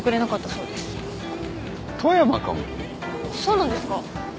そうなんですか？